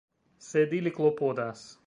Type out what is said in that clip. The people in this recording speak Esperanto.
Sed ili klopodas.